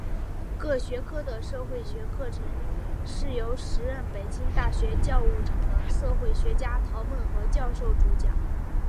各学科的社会学课程是由时任北京大学教务长的社会学家陶孟和教授主讲。